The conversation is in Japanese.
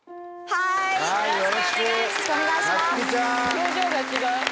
表情が違う。